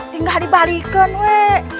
tinggal dibalikkan weh